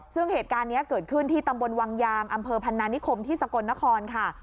ซึ่งเหตุการณ์นี้เกิดขึ้นที่ตำบลวังยางอำเภอพันนานิคมที่สกลนครค่ะ